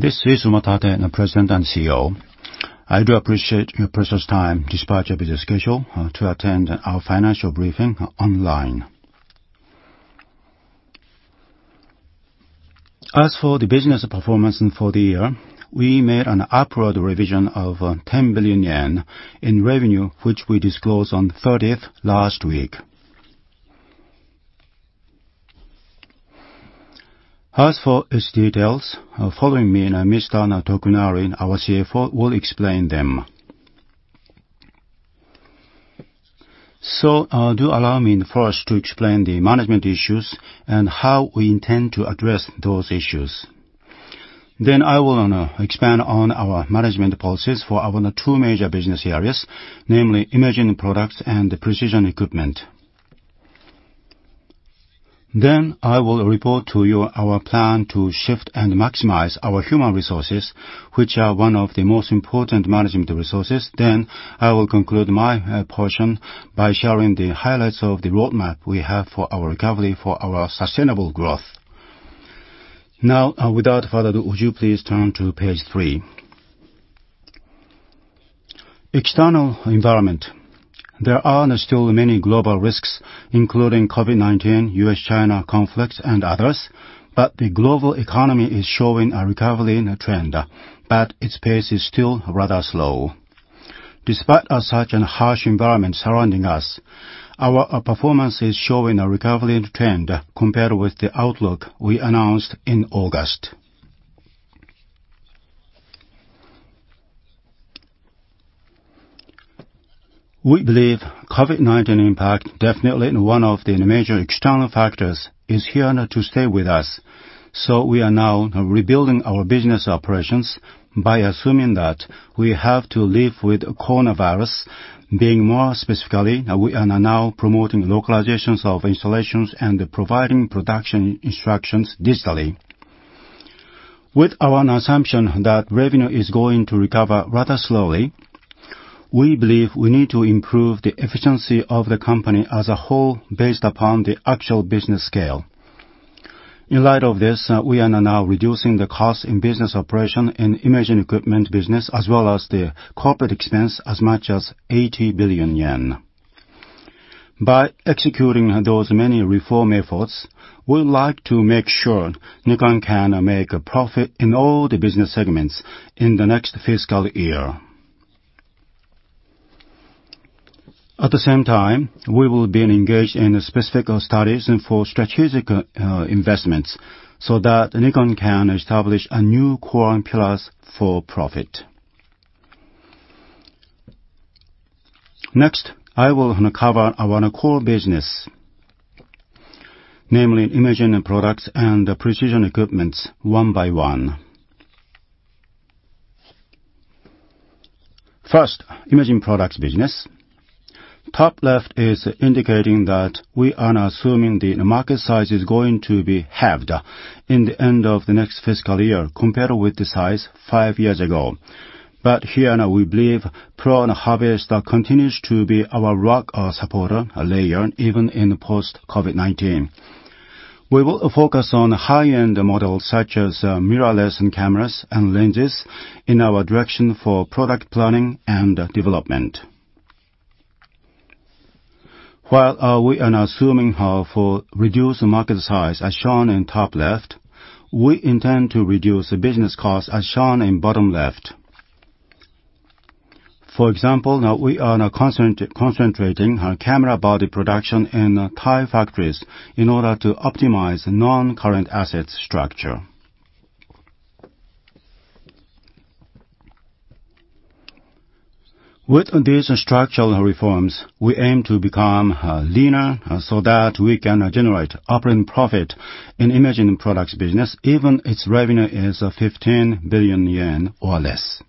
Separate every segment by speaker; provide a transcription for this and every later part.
Speaker 1: This is Umatate, President and CEO. I do appreciate your precious time, despite your busy schedule, to attend our financial briefing online. As for the business performance for the year, we made an upward revision of 10 billion yen in revenue, which we disclosed on the 30th last week. As for its details, following me, Mr. Tokunari, our CFO, will explain them. Do allow me first to explain the management issues and how we intend to address those issues. I will expand on our management policies for our two major business areas, namely Imaging Products and Precision Equipment. I will report to you our plan to shift and maximize our human resources, which are one of the most important management resources. I will conclude my portion by sharing the highlights of the roadmap we have for our recovery, for our sustainable growth. Without further ado, would you please turn to page three. External environment. There are still many global risks, including COVID-19, U.S.-China conflicts, and others, but the global economy is showing a recovery in trend, but its pace is still rather slow. Despite such a harsh environment surrounding us, our performance is showing a recovery trend compared with the outlook we announced in August. We believe COVID-19 impact, definitely one of the major external factors, is here to stay with us. We are now rebuilding our business operations by assuming that we have to live with coronavirus. Being more specifically, we are now promoting localizations of installations and providing production instructions digitally. With our assumption that revenue is going to recover rather slowly, we believe we need to improve the efficiency of the company as a whole based upon the actual business scale. In light of this, we are now reducing the cost in business operation and imaging equipment business, as well as the corporate expense, as much as 80 billion yen. By executing those many reform efforts, we would like to make sure Nikon can make a profit in all the business segments in the next fiscal year. At the same time, we will be engaged in specific studies and for strategic investments so that Nikon can establish new core pillars for profit. Next, I will cover our core business, namely Imaging Products and Precision Equipment, one by one. First, Imaging Products Business. Top left is indicating that we are assuming the market size is going to be halved in the end of the next fiscal year compared with the size five years ago. Here now, we believe pro and hobbyist continues to be our rock or supporter later, even in post-COVID-19. We will focus on high-end models such as mirrorless cameras and lenses in our direction for product planning and development. While we are now assuming how for reduced market size, as shown in top left, we intend to reduce business costs, as shown in bottom left. For example, now we are concentrating on camera body production in Thai factories in order to optimize non-current asset structure. With these structural reforms, we aim to become leaner so that we can generate operating profit in Imaging Products Business, even if revenue is 15 billion yen or less.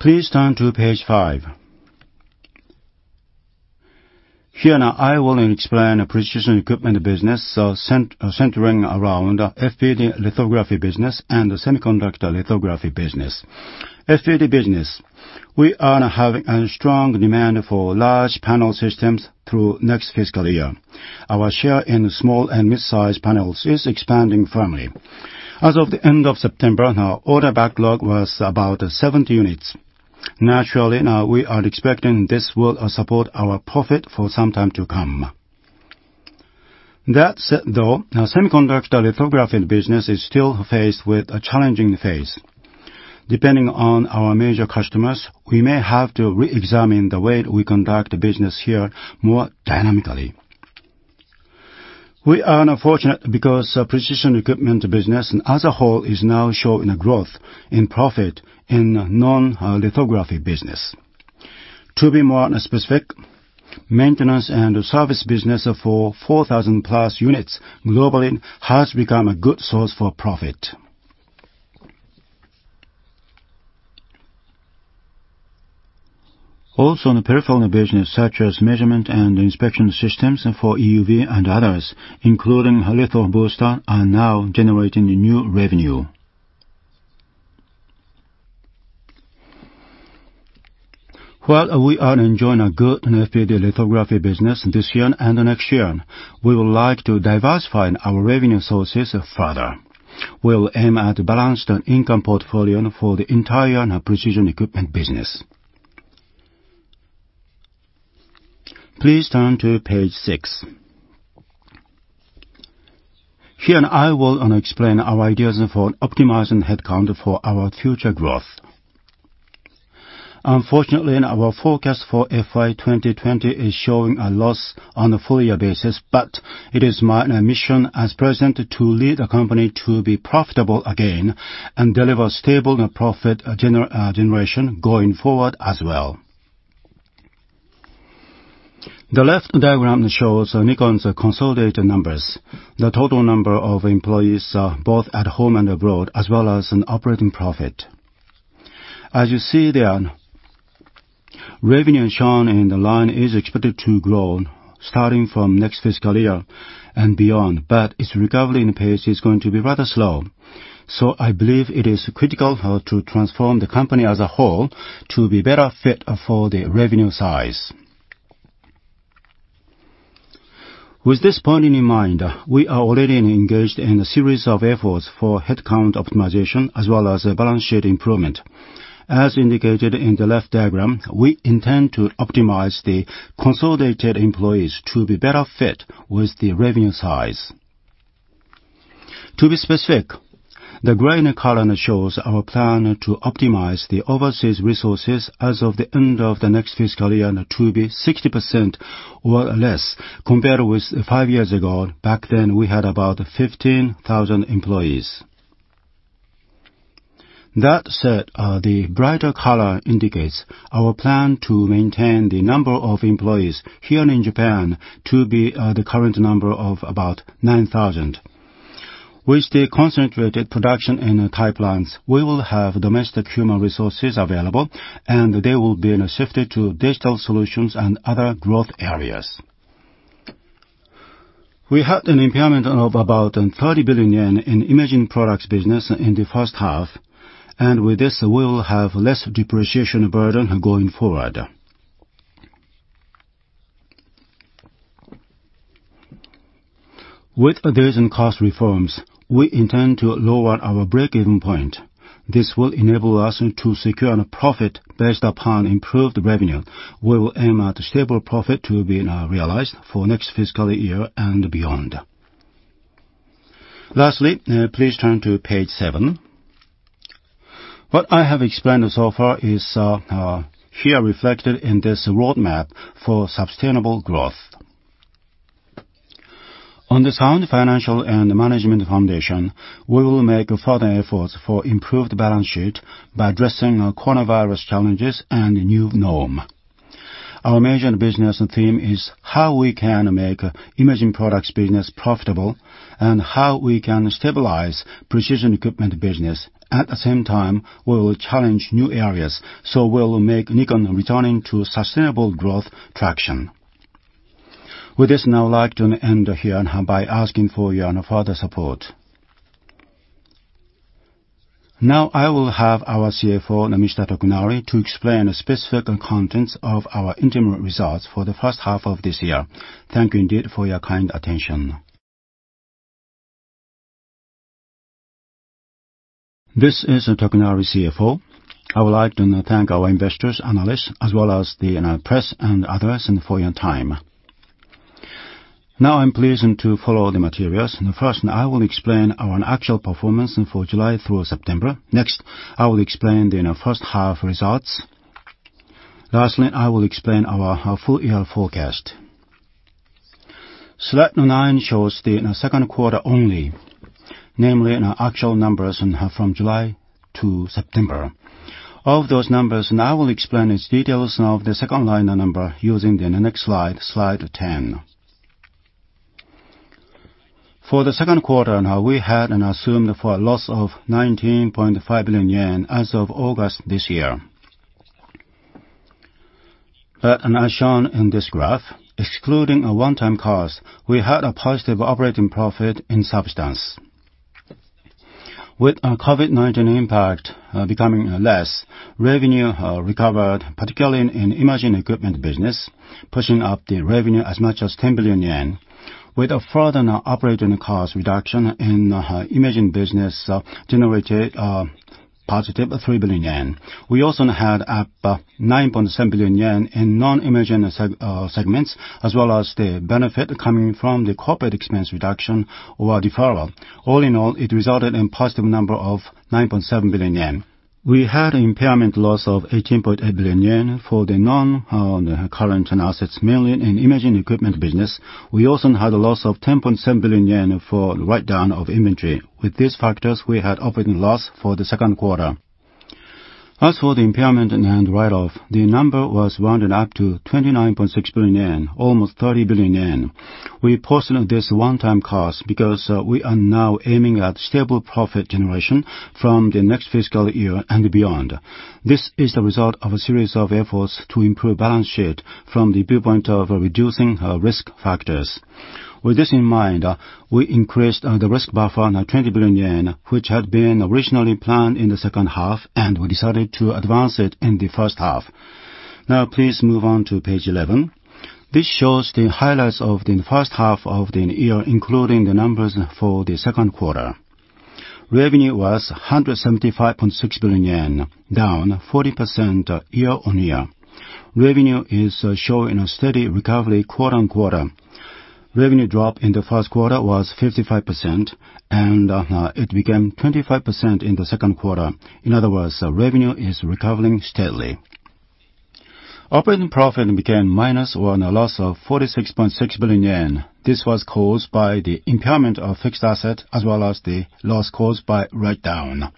Speaker 1: Please turn to page five. Here now, I will explain Precision Equipment Business, so centering around FPD lithography business and semiconductor lithography business. FPD Business. We are having a strong demand for large panel systems through next fiscal year. Our share in small and mid-size panels is expanding firmly. As of the end of September, our order backlog was about 70 units. Naturally, now we are expecting this will support our profit for some time to come. That said, though, our semiconductor lithography business is still faced with a challenging phase. Depending on our major customers, we may have to re-examine the way we conduct business here more dynamically. We are fortunate because Precision Equipment Business as a whole is now showing a growth in profit in non-lithography business. To be more specific, maintenance and service business for 4,000+ units globally has become a good source for profit. In the peripheral business, such as measurement and inspection systems for EUV and others, including Litho Booster, are now generating new revenue. While we are enjoying a good FPD lithography business this year and next year, we would like to diversify our revenue sources further. We will aim at a balanced income portfolio for the entire Precision Equipment business. Please turn to page six. Here, I will explain our ideas for optimizing headcount for our future growth. Unfortunately, our forecast for FY 2020 is showing a loss on a full-year basis. It is my mission as president to lead the company to be profitable again, and deliver stable profit generation going forward as well. The left diagram shows Nikon's consolidated numbers, the total number of employees, both at home and abroad, as well as an operating profit. As you see there, revenue shown in the line is expected to grow starting from next fiscal year and beyond, its recovery pace is going to be rather slow. I believe it is critical to transform the company as a whole to be better fit for the revenue size. With this point in mind, we are already engaged in a series of efforts for headcount optimization as well as balance sheet improvement. As indicated in the left diagram, we intend to optimize the consolidated employees to be better fit with the revenue size. To be specific, the gray column shows our plan to optimize the overseas resources as of the end of the next fiscal year to be 60% or less compared with five years ago. Back then, we had about 15,000 employees. That said, the brighter color indicates our plan to maintain the number of employees here in Japan to be the current number of about 9,000. With the concentrated production in the pipelines, we will have domestic human resources available, and they will be shifted to digital solutions and other growth areas. We had an impairment of about 30 billion yen in Imaging Products Business in the first half, and with this, we will have less depreciation burden going forward. With these cost reforms, we intend to lower our break-even point. This will enable us to secure profit based upon improved revenue. We will aim at stable profit to be realized for next fiscal year and beyond. Lastly, please turn to page seven. What I have explained so far is here reflected in this roadmap for sustainable growth. On the sound financial and management foundation, we will make further efforts for improved balance sheet by addressing coronavirus challenges and new norm. Our major business theme is how we can make Imaging Products Business profitable and how we can stabilize Precision Equipment business. At the same time, we will challenge new areas, so we will make Nikon returning to sustainable growth traction. With this, now I would like to end here by asking for your further support. Now, I will have our CFO, Mr. Tokunari, to explain the specific contents of our interim results for the first half of this year. Thank you indeed for your kind attention.
Speaker 2: This is Tokunari, CFO. I would like to thank our investors, analysts, as well as the press and others for your time. Now I'm pleased to follow the materials. First, I will explain our actual performance for July through September. I will explain the first half results. I will explain our full-year forecast. Slide nine shows the second quarter only, namely our actual numbers from July to September. Of those numbers, I will explain the details of the second line number using the next slide 10. For the second quarter, we had assumed for a loss of 19.5 billion yen as of August this year. As shown in this graph, excluding a one-time cost, we had a positive operating profit in substance. With COVID-19 impact becoming less, revenue recovered, particularly in Imaging Products Business, pushing up the revenue as much as 10 billion yen with a further operating cost reduction in Imaging Products Business generated a +3 billion yen. We also had about 9.7 billion yen in non-imaging segments, as well as the benefit coming from the corporate expense reduction or deferral. All in all, it resulted in positive number of 9.7 billion yen. We had impairment loss of 18.8 billion yen for the noncurrent assets, mainly in Imaging Products Business. We also had a loss of 10.7 billion yen for write-down of inventory. With these factors, we had operating loss for the second quarter. As for the impairment and write-off, the number was rounded up to 29.6 billion yen, almost 30 billion yen. We posted this one-time cost because we are now aiming at stable profit generation from the next fiscal year and beyond. This is the result of a series of efforts to improve balance sheet from the viewpoint of reducing risk factors. With this in mind, we increased the risk buffer, now 20 billion yen, which had been originally planned in the second half, and we decided to advance it in the first half. Please move on to page 11. This shows the highlights of the first half of the year, including the numbers for the second quarter. Revenue was JPY 175.6 billion, down 40% year-on-year. Revenue is showing a steady recovery quarter-on-quarter. Revenue drop in the first quarter was 55%, and it became 25% in the second quarter. In other words, revenue is recovering steadily. Operating profit became minus, or a loss of 46.6 billion yen. This was caused by the impairment of fixed asset, as well as the loss caused by write down.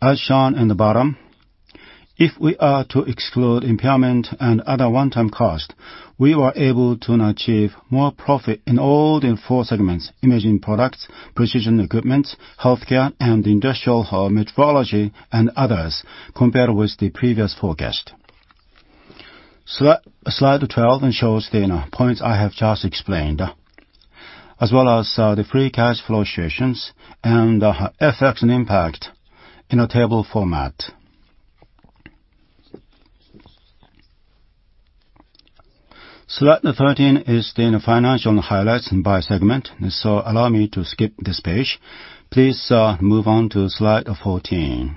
Speaker 2: As shown in the bottom, if we are to exclude impairment and other one-time costs, we were able to achieve more profit in all the four segments: Imaging Products, Precision Equipment, Healthcare, and Industrial Metrology and others, compared with the previous forecast. Slide 12 shows the points I have just explained, as well as the free cash flow situations and the FX impact in a table format. Slide 13 is the financial highlights by segment, allow me to skip this page. Please move on to slide 14.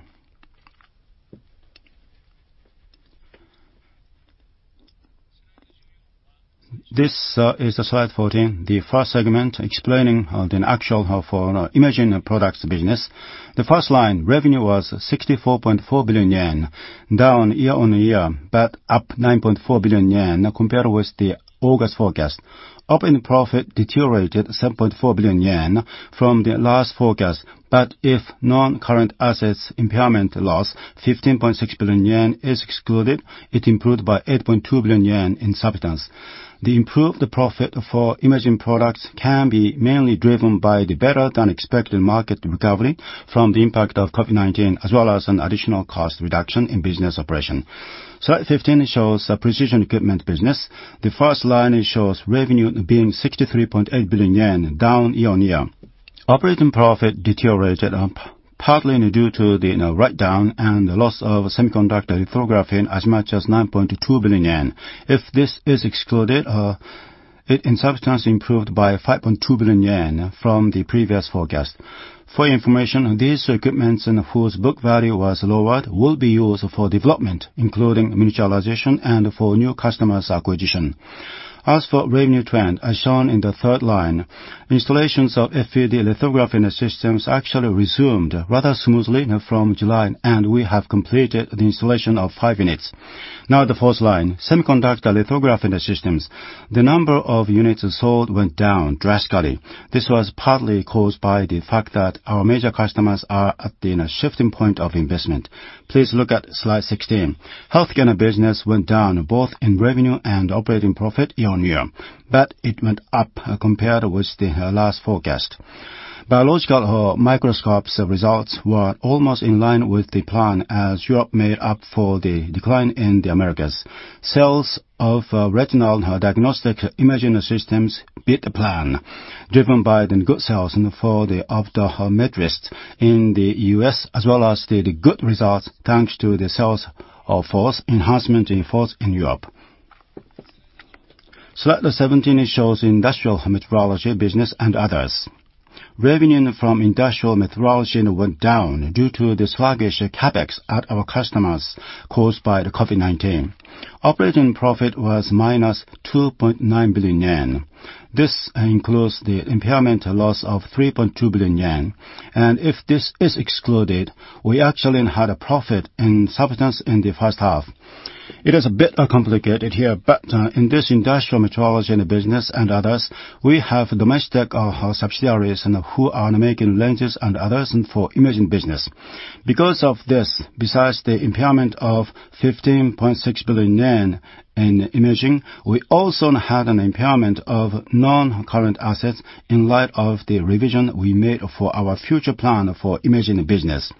Speaker 2: This is slide 14, the first segment explaining the actual for Imaging Products Business. The first line, revenue was 64.4 billion yen, down year-over-year, but up 9.4 billion yen compared with the August forecast. Operating profit deteriorated 7.4 billion yen from the last forecast, but if non-current assets impairment loss 15.6 billion yen is excluded, it improved by 8.2 billion yen in substance. The improved profit for Imaging Products can be mainly driven by the better-than-expected market recovery from the impact of COVID-19, as well as an additional cost reduction in business operation. Slide 15 shows Precision Equipment Business. The first line shows revenue being 63.8 billion yen, down year-on-year. Operating profit deteriorated, partly due to the write-down and the loss of semiconductor lithography as much as 9.2 billion yen. If this is excluded, it in substance improved by 5.2 billion yen from the previous forecast. For your information, these equipments, whose book value was lowered, will be used for development, including initialization and for new customers acquisition. As for revenue trend, as shown in the third line, installations of FPD lithography systems actually resumed rather smoothly from July, and we have completed the installation of five units. Now, the fourth line, semiconductor lithography systems. The number of units sold went down drastically. This was partly caused by the fact that our major customers are at the shifting point of investment. Please look at slide 16. Healthcare business went down both in revenue and operating profit year-on-year, but it went up compared with the last forecast. Biological microscopes results were almost in line with the plan, as Europe made up for the decline in the Americas. Sales of retinal diagnostic imaging systems beat the plan, driven by the good sales for the optometrists in the U.S., as well as the good results thanks to the sales of force enhancement in force in Europe. Slide 17 shows Industrial Metrology Business and others. Revenue from Industrial Metrology went down due to the sluggish CapEx at our customers caused by the COVID-19. Operating profit was -2.9 billion yen. This includes the impairment loss of 3.2 billion yen. If this is excluded, we actually had a profit in substance in the first half. It is a bit complicated here, but in this Industrial Metrology Business and others, we have domestic subsidiaries who are making lenses and others for Imaging Products Business. Because of this, besides the impairment of 15.6 billion yen in Imaging Products Business, we also had an impairment of non-current assets in light of the revision we made for our future plan for Imaging Products Business.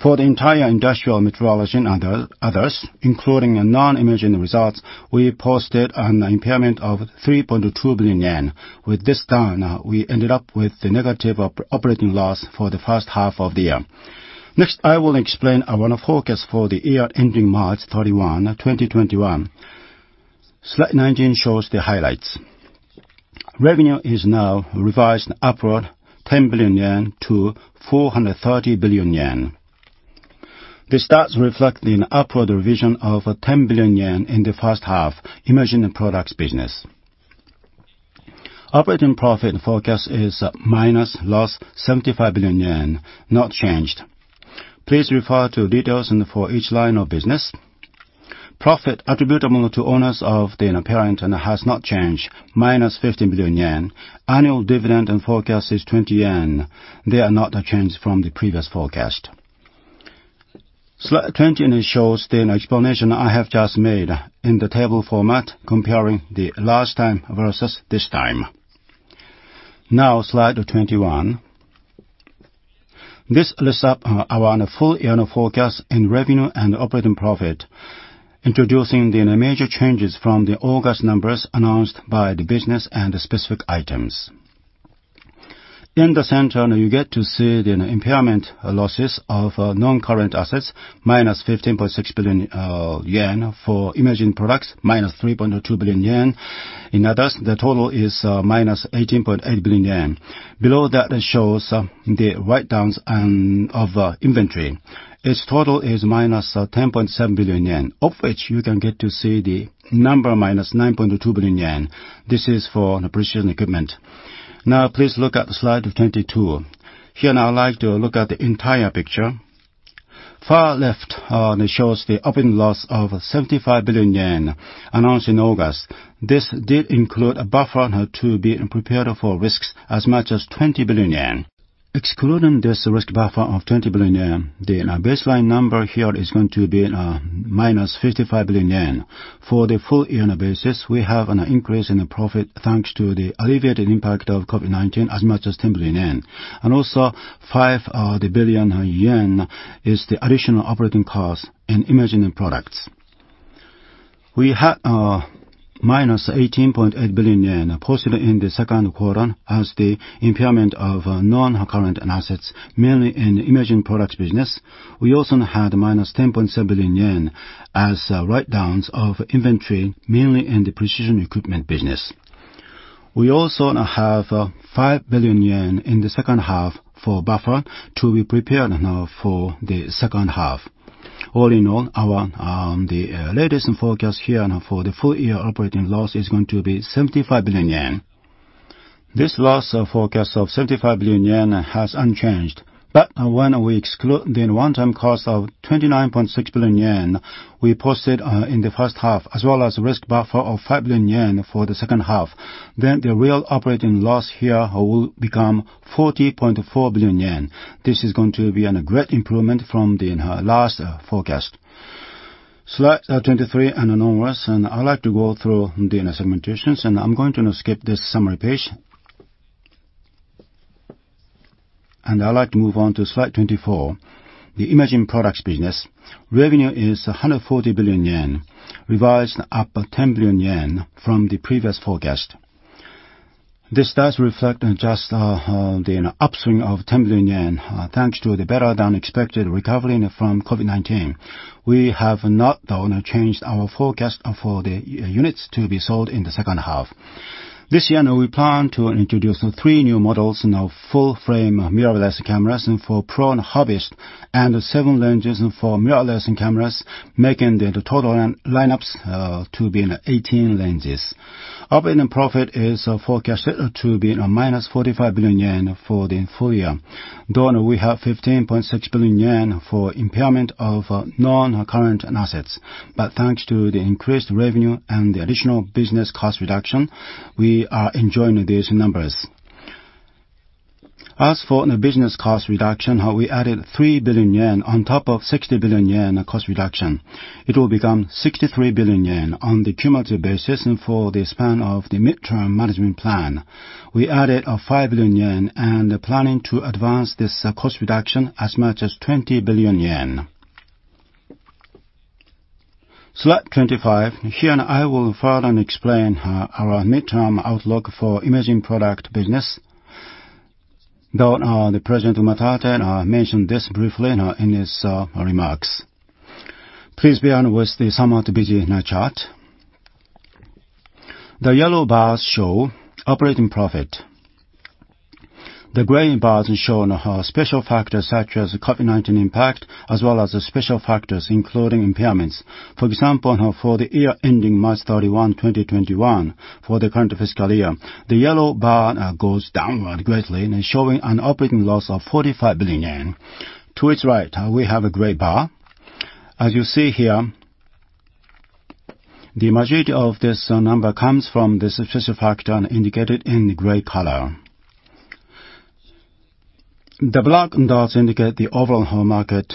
Speaker 2: For the entire Industrial Metrology and others, including non-imaging results, we posted an impairment of 3.2 billion yen. With this down, we ended up with the negative operating loss for the first half of the year. Next, I will explain our forecast for the year ending March 31, 2021. Slide 19 shows the highlights. Revenue is now revised upward 10 billion yen to 430 billion yen. This does reflect an upward revision of 10 billion yen in the first half Imaging Products Business. Operating profit forecast is minus loss 75 billion yen, not changed. Please refer to details for each line of business. Profit attributable to owners of the parent has not changed, -15 billion yen. Annual dividend forecast is 20 yen. They are not changed from the previous forecast. Slide 20 shows the explanation I have just made in the table format comparing the last time versus this time. Slide 21. This lists up our full-year forecast in revenue and operating profit, introducing the major changes from the August numbers announced by the business and the specific items. In the center, you get to see the impairment losses of non-current assets, -15.6 billion yen for Imaging Products, -3.2 billion yen. In others, the total is -18.8 billion yen. Below that, it shows the write-downs of inventory. Its total is -10.7 billion yen, of which you can get to see the number -9.2 billion yen. This is for Precision Equipment. Please look at slide 22. Here, I'd like to look at the entire picture. Far left, it shows the operating loss of 75 billion yen announced in August. This did include a buffer to be prepared for risks as much as 20 billion yen. Excluding this risk buffer of 20 billion yen, the baseline number here is going to be -55 billion yen. For the full-year on a basis, we have an increase in profit thanks to the alleviated impact of COVID-19, as much as 10 billion yen. Also, 5 billion yen is the additional operating cost in Imaging Products. We had -18.8 billion yen posted in the second quarter as the impairment of non-current assets, mainly in the Imaging Products Business. We also had minus 10.7 billion yen as write-downs of inventory, mainly in the Precision Equipment Business. We also now have 5 billion yen in the second half for buffer to be prepared now for the second half. All in all, the latest forecast here for the full-year operating loss is going to be 75 billion yen. This loss forecast of 75 billion yen has unchanged, but when we exclude the one-time cost of 29.6 billion yen we posted in the first half, as well as risk buffer of 5 billion yen for the second half, then the real operating loss here will become 40.4 billion yen. This is going to be a great improvement from the last forecast. Slide 23 and onwards, and I'd like to go through the segmentations, and I'm going to now skip this summary page. I'd like to move on to slide 24, the Imaging Products Business. Revenue is 140 billion yen, revised up 10 billion yen from the previous forecast. This does reflect on just the upswing of 10 billion yen, thanks to the better-than-expected recovery from COVID-19. We have not, though, changed our forecast for the units to be sold in the second half. This year, we plan to introduce three new models in our full-frame mirrorless cameras and for pro and hobbyists, and seven ranges for mirrorless cameras, making the total lineups to be 18 ranges. Operating profit is forecasted to be -45 billion yen for the full-year, though we have 15.6 billion yen for impairment of non-current assets. Thanks to the increased revenue and the additional business cost reduction, we are enjoying these numbers. As for the business cost reduction, we added 3 billion yen on top of 60 billion yen cost reduction. It will become 63 billion yen on the cumulative basis for the span of the mid-term management plan. We added 5 billion yen and are planning to advance this cost reduction as much as 20 billion yen. Slide 25. Here, I will further explain our mid-term outlook for Imaging Products Business, though the President Umatate mentioned this briefly in his remarks. Please bear with the somewhat busy chart. The yellow bars show operating profit. The gray bars show special factors such as COVID-19 impact, as well as special factors including impairments. For example, for the year ending March 31, 2021, for the current fiscal year, the yellow bar goes downward greatly, showing an operating loss of 45 billion yen. To its right, we have a gray bar. As you see here, the majority of this number comes from the special factor indicated in the gray color. The black dots indicate the overall market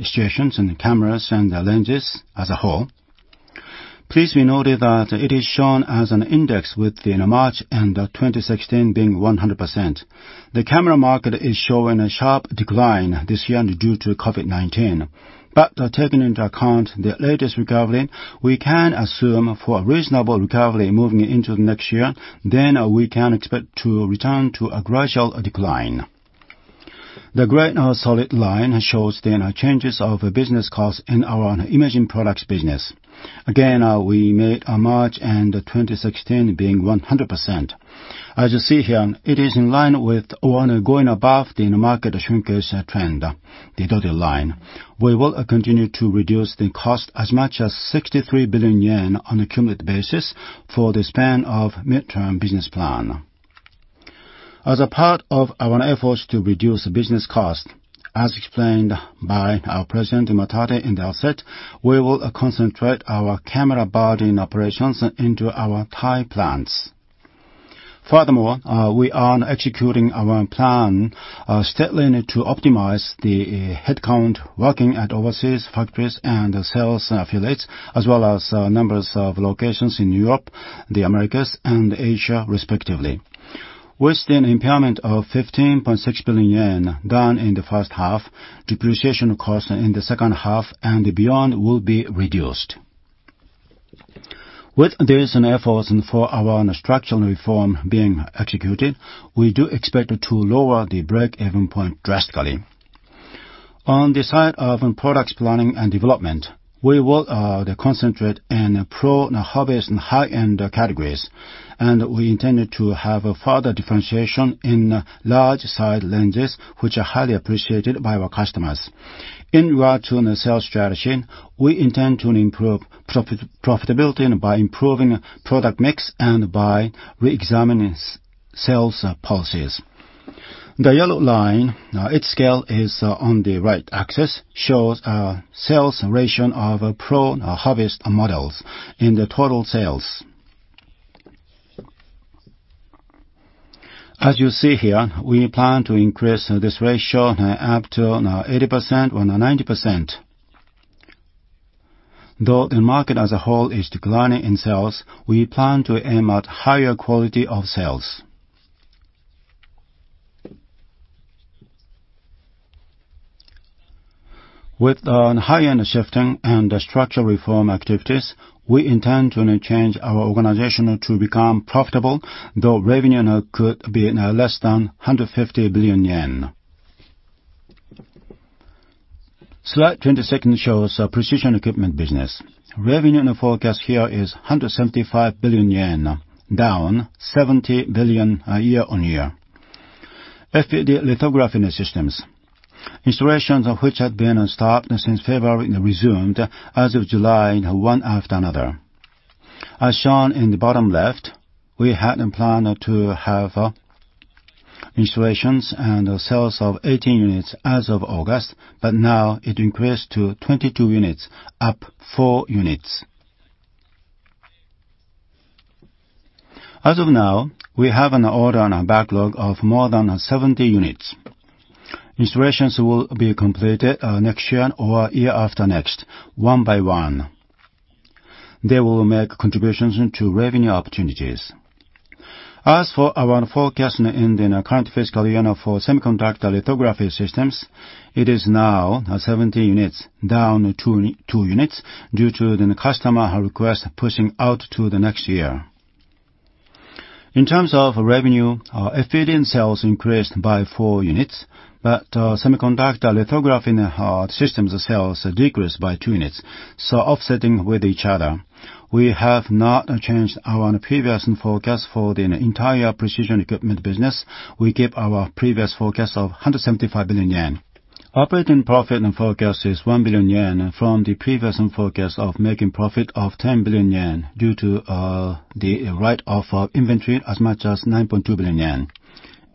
Speaker 2: situations in cameras and lenses as a whole. Please be noted that it is shown as an index with March end of 2016 being 100%. The camera market is showing a sharp decline this year due to COVID-19. Taking into account the latest recovery, we can assume for a reasonable recovery moving into next year, then we can expect to return to a gradual decline. The gray solid line shows the changes of business cost in our Imaging Products Business. Again, we made March end of 2016 being 100%. As you see here, it is in line with one going above the market shrinkage trend, the dotted line. We will continue to reduce the cost as much as 63 billion yen on a cumulative basis for the span of mid-term business plan. As a part of our efforts to reduce business cost, as explained by our President Umatate in the outset, we will concentrate our camera body operations into our Thai plants. Furthermore, we are executing our plan steadily to optimize the headcount working at overseas factories and sales affiliates, as well as numbers of locations in Europe, the Americas, and Asia, respectively. With the impairment of 15.6 billion yen done in the first half, depreciation cost in the second half and beyond will be reduced. With these efforts for our structural reform being executed, we do expect to lower the break-even point drastically. On the side of products planning and development, we will concentrate on pro and hobbyist and high-end categories, and we intend to have a further differentiation in large size lenses, which are highly appreciated by our customers. In regard to sales strategy, we intend to improve profitability by improving product mix and by re-examining sales policies. The yellow line, its scale is on the right axis, shows our sales ratio of pro and hobbyist models in the total sales. As you see here, we plan to increase this ratio up to 80% or 90%. The market as a whole is declining in sales, we plan to aim at higher quality of sales. With high-end shifting and structural reform activities, we intend to change our organization to become profitable, though revenue could be less than 150 billion yen. Slide 26 shows our Precision Equipment Business. Revenue forecast here is 175 billion yen, down 70 billion year-on-year. FPD lithography systems, installations of which had been stopped since February, resumed as of July, one after another. As shown in the bottom left, we had planned to have installations and sales of 18 units as of August. Now it increased to 22 units, up four units. As of now, we have an order and a backlog of more than 70 units. Installations will be completed next year or year after next, one by one. They will make contributions to revenue opportunities. As for our forecast in the current fiscal year for semiconductor lithography systems, it is now 17 units, down two units due to the customer request pushing out to the next year. In terms of revenue, our FPD sales increased by four units, but semiconductor lithography systems sales decreased by two units, so offsetting with each other. We have not changed our previous forecast for the entire Precision Equipment business. We keep our previous forecast of 175 billion yen. Operating profit forecast is 1 billion yen from the previous forecast of making profit of 10 billion yen due to the write-off of inventory as much as 9.2 billion yen.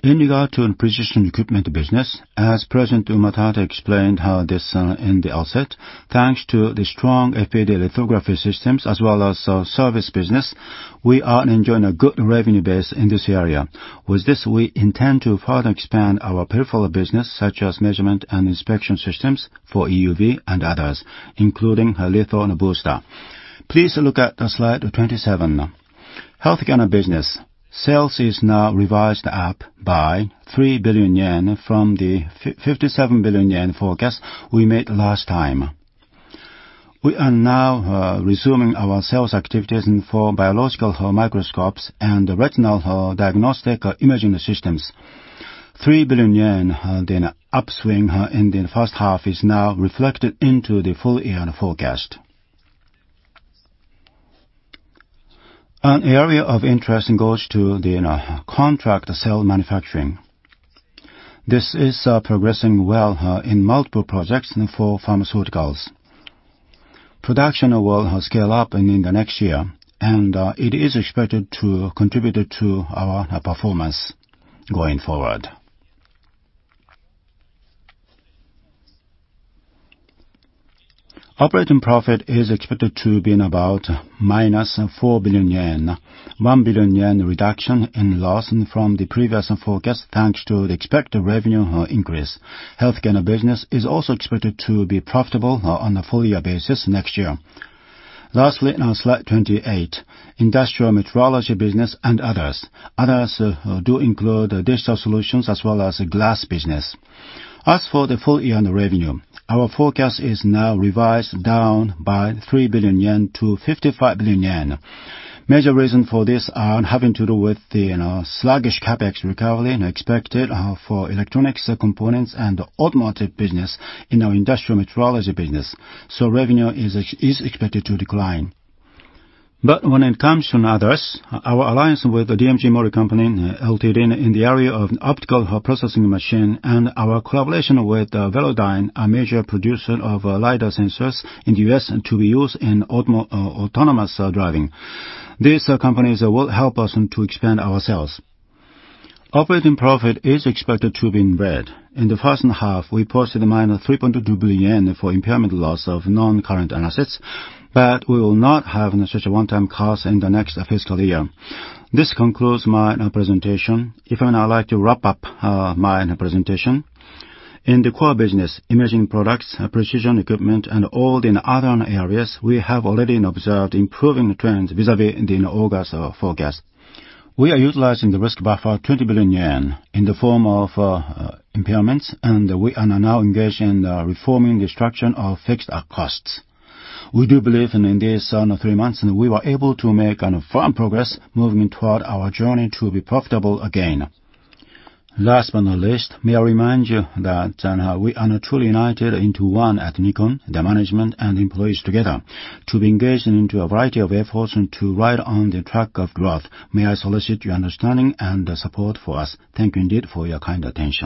Speaker 2: In regard to Precision Equipment Business, as President Umatate explained this in the outset, thanks to the strong FPD lithography systems as well as our service business, we are enjoying a good revenue base in this area. With this, we intend to further expand our peripheral business, such as measurement and inspection systems for EUV and others, including our Litho Booster. Please look at the slide 27. Healthcare Business. Sales is now revised up by 3 billion yen from the 57 billion yen forecast we made last time. We are now resuming our sales activities for biological microscopes and retinal diagnostic imaging systems. 3 billion yen, the upswing in the first half is now reflected into the full-year forecast. An area of interest goes to the contract cell manufacturing. This is progressing well in multiple projects for pharmaceuticals. Production will scale up in the next year, and it is expected to contribute to our performance going forward. Operating profit is expected to be in about -4 billion yen, 1 billion yen reduction in loss from the previous forecast, thanks to the expected revenue increase. Healthcare Business is also expected to be profitable on a full-year basis next year. On slide 28, Industrial Metrology Business and others. Others do include digital solutions as well as glass business. As for the full-year revenue, our forecast is now revised down by 3 billion yen to 55 billion yen. Major reason for this are having to do with the sluggish CapEx recovery expected for electronics components and automotive business in our Industrial Metrology Business. Revenue is expected to decline. When it comes from others, our alliance with the DMG MORI CO., LTD. in the area of optical processing machine and our collaboration with Velodyne, a major producer of LiDAR sensors in the U.S. to be used in autonomous driving. These companies will help us to expand our sales. Operating profit is expected to be in red. In the first half, we posted -3.2 billion yen for impairment loss of non-current assets, we will not have such a one-time cost in the next fiscal year. This concludes my presentation. If I now like to wrap up my presentation. In the core business, Imaging Products, Precision Equipment, and all the other areas, we have already observed improving trends vis-à-vis the August forecast. We are utilizing the risk buffer, 20 billion yen, in the form of impairments, and we are now engaged in reforming the structure of fixed costs. We do believe in these three months, we were able to make firm progress moving toward our journey to be profitable again. Last but not least, may I remind you that we are truly united into one at Nikon, the management and employees together, to be engaged into a variety of efforts to ride on the track of growth. May I solicit your understanding and support for us. Thank you indeed for your kind attention.